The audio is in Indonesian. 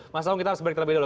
mas amung kita harus break dulu